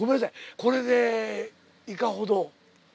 これでいかほど？